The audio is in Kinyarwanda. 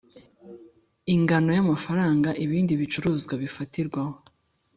Ingano y’amafaranga ibindi bicuruzwa bifatirwaho